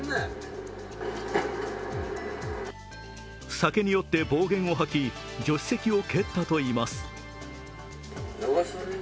酒に酔って暴言を吐き助手席を蹴ったといいます。